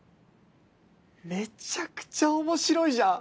めちゃくちゃ面白いじゃん